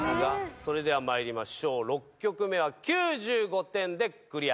それではまいりましょう６曲目は９５点でクリア。